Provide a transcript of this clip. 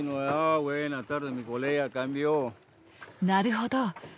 なるほど。